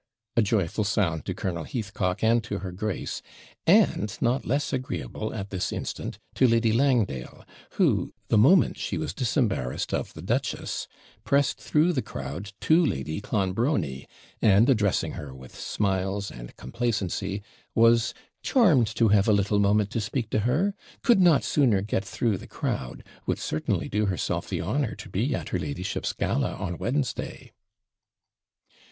a joyful sound to Colonel Heathcock and to her grace, and not less agreeable, at this instant, to Lady Langdale, who, the moment she was disembarrassed of the duchess, pressed through the crowd to Lady Clonbrony, and, addressing her with smiles and complacency, was 'charmed to have a little moment to speak to her could NOT sooner get through the crowd would certainly do herself the honour to be at her ladyship's gala on Wednesday.'